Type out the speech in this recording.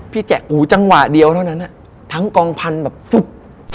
แจ๊คอจังหวะเดียวเท่านั้นทั้งกองพันธุ์แบบฟึ๊บ